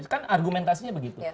kan argumentasinya begitu